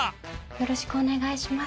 よろしくお願いします。